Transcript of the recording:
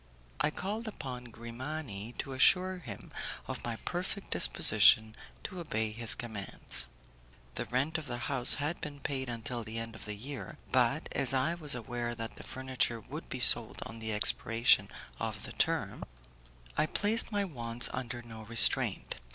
I called upon Grimani to assure him of my perfect disposition to obey his commands. The rent of the house had been paid until the end of the year; but, as I was aware that the furniture would be sold on the expiration of the term, I placed my wants under no restraint.